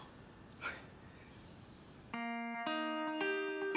はい。